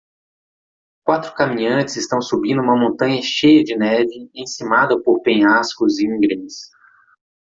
Quatro caminhantes estão subindo uma montanha cheia de neve encimada por penhascos íngremes.